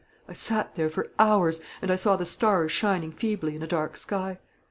I sat there for hours, and I saw the stars shining feebly in a dark sky.